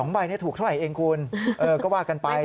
ใบนี้ถูกเท่าไหร่เองคุณก็ว่ากันไป